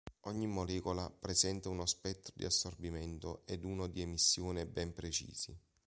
Ogni molecola presenta uno spettro di assorbimento ed uno di emissione ben precisi.